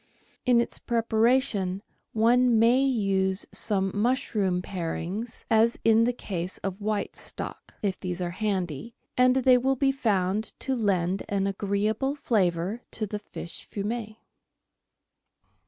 In its preparation, one may use some mush room parings, as in the case of white stock, if these are handy, and they will be found to lend an agreeable flavour to the fish fumet.